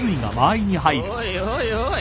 おいおいおい